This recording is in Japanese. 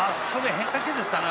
変化球ですかね。